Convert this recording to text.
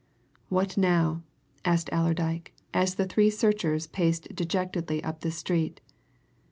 "What now?" asked Allerdyke as the three searchers paced dejectedly up the street.